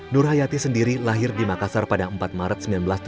nur hayati sendiri lahir di makassar pada empat maret seribu sembilan ratus tujuh puluh